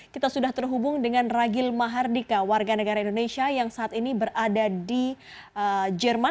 kita sudah terhubung dengan ragil mahardika warga negara indonesia yang saat ini berada di jerman